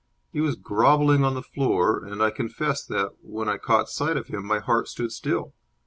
He was grovelling on the floor, and I confess that, when I caught sight of him, my heart stood still.